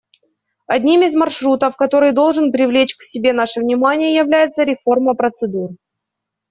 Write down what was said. Одним из "маршрутов", который должен привлечь к себе наше внимание, является реформа процедур.